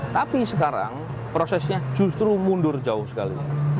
tapi sekarang prosesnya justru mundur jauh sekali